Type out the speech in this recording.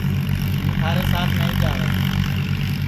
ہوں تھارے سات نائی جاوے